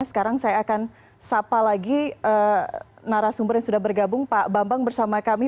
sekarang saya akan sapa lagi narasumber yang sudah bergabung pak bambang bersama kami